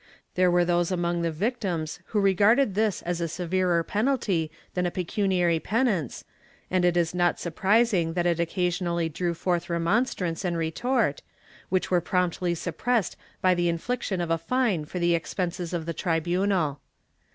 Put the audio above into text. There were those among the victims who re garded this as a severer penalty than a pecuniary penance, and it is not surprising that it occasionally drew forth remonstrance and retort, which were promptly suppressed by the infliction of a fine for the expenses of the tribimal.